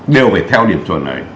đều phải theo điểm chuẩn này